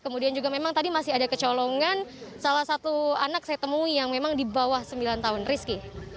kemudian juga memang tadi masih ada kecolongan salah satu anak saya temui yang memang di bawah sembilan tahun rizky